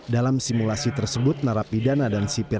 dalam simulasi tersebut narapidana dan sipir